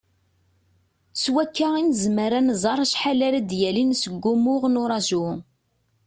S wakka i nezmer ad nẓer acḥal ara d-yalin seg wumuɣ n uraju.